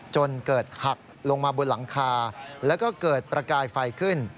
จนเกิดหักลงมาบนหลังคาแล้วก็เกิดประกายไฟขึ้น